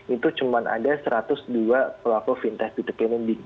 itu cuma ada satu ratus dua pelaku fintech p dua p lending